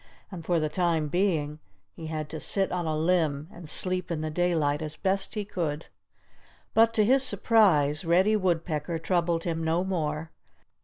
And for the time being he had to sit on a limb and sleep in the daylight as best he could. But to his surprise, Reddy Woodpecker troubled him no more.